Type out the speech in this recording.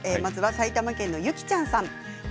埼玉県の方です。